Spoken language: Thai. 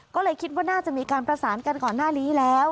ก็เลยคิดว่าน่าจะมีการประสานกันก่อนหน้านี้แล้ว